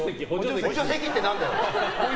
補助席ってなんだよ！